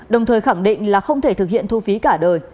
đồng thời khẳng định là không thể thực hiện thu phí cả đời